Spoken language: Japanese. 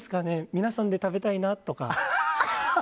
皆さんで食べたいなとか。